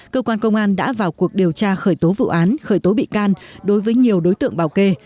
cơ quan công an đã vào cuộc điều tra khởi tố vụ án khởi tố bị can đối với nhiều đối tượng bảo kê